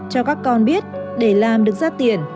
cho các con biết để làm được giá tiền